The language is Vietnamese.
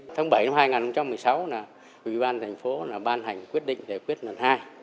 tháng bảy năm hai nghìn một mươi sáu ủy ban thành phố ban hành quyết định để quyết lần hai